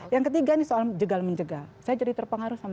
yang ketiga ini soal jegal menjegal saya jadi terpengaruh sama